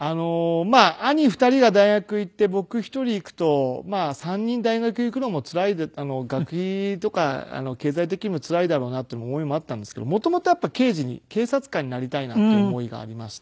まあ兄２人が大学行って僕１人行くと３人大学行くのもつらい学費とか経済的にもつらいだろうなっていう思いもあったんですけど元々やっぱり刑事に警察官になりたいなっていう思いがありまして。